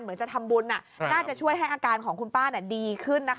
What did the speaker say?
เหมือนจะทำบุญน่าจะช่วยให้อาการของคุณป้าดีขึ้น